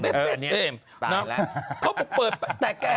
จริงอย่างนี้เออจริงจริง